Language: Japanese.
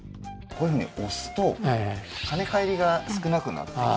こういうふうに押すと跳ね返りが少なくなってきてますね。